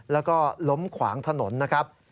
แล้วก็ล้มขวางถนนนะครับ